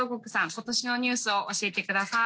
今年のニュースを教えてください。